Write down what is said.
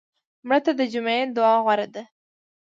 مړه ته د جمعې دعا غوره ده